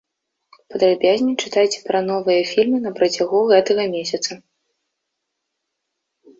Падрабязней чытайце пра новыя фільмы на працягу гэтага месяца.